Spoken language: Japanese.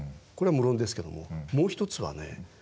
これは無論ですけどももう一つはね